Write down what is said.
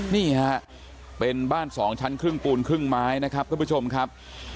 นี่ฮะเป็นบ้าน๒ชั้นครึ่งปูนครึ่งไม้นะครับท่านผู้ชมครับ